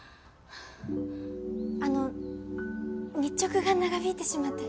あの日直が長引いてしまって。